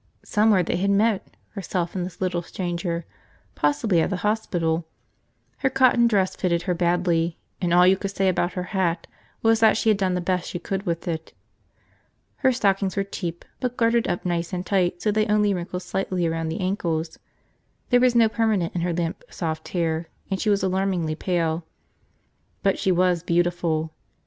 Somewhere they had met, herself and this little stranger, possibly at the hospital. Her cotton dress fitted her badly, and all you could say about her hat was that she had done the best she could with it. Her stockings were cheap but gartered up nice and tight so they only wrinkled slightly around the ankles. There was no permanent in her limp, soft hair, and she was alarmingly pale. But she was beautiful.